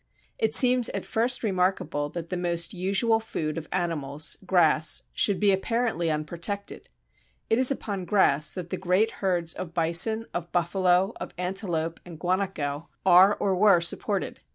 It seems at first remarkable that the most usual food of animals, grass, should be apparently unprotected. It is upon grass that the great herds of bison, of buffalo, of antelope, and guanaco, are or were supported.